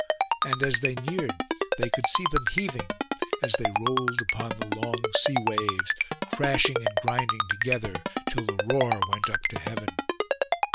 And as they neared they could see them heaving, as they rolled upon the long sea waves, crashing and grinding together, till the roar went up to heaven.